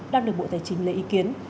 đang được bộ tài chính lấy ý kiến